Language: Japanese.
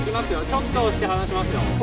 ちょっと押して離しますよ。